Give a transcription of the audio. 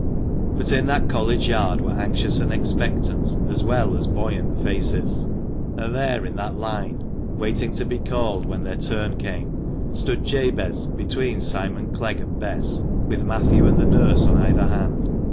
But in that College Yard were anxious and expectant as well as buoyant faces. And there in that line, waiting to be called when their turn came, stood Jabez between Simon Clegg and Bess, with Matthew and the nurse on either hand.